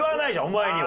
お前には。